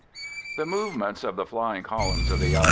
The movements of the flying columns of the I.